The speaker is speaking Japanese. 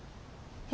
え？